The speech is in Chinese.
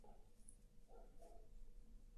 以下剧集按照首播顺序排列。